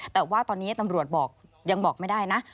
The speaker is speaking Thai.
แต่ว่าตอนนี้ตำรวจบอกยังบอกไม่ได้นะ